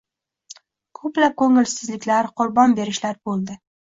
ko‘plab ko‘ngilsizliklar, qurbon berishlar bo‘ldi.